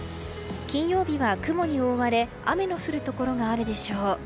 金曜日は雲に覆われ雨の降るところがあるでしょう。